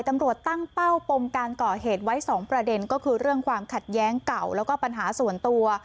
ตำรวจตั้งเป้าปมการก่อเหตุไว้๒ประเด็นก็คือเรื่องความขัดแย้งเก่าแล้วก็ปัญหาส่วนตัว